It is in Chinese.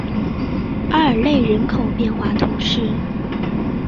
阿尔勒人口变化图示